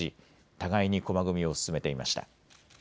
互いに駒組みを進めていました。